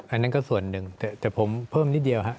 อันนั้นก็ส่วนหนึ่งแต่ผมเพิ่มนิดเดียวฮะ